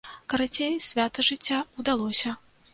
Карацей, свята жыцця ўдалося!